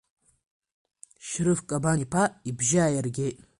Шьрыф Кабан-иԥа ибжьы ааиргеит…